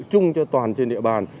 trung cho toàn trên địa bàn